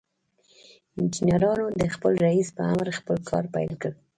انجنيرانو د خپل رئيس په امر خپل کار پيل کړ.